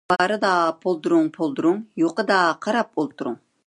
بارىدا پولدۇرۇڭ - پولدۇرۇڭ، يوقىدا قاراپ ئولتۇرۇڭ.